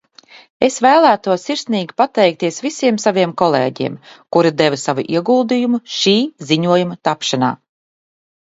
Es vēlētos sirsnīgi pateikties visiem saviem kolēģiem, kuri deva savu ieguldījumu šī ziņojuma tapšanā.